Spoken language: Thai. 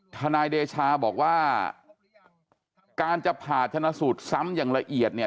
ทนายเดชาบอกว่าการจะผ่าชนะสูตรซ้ำอย่างละเอียดเนี่ย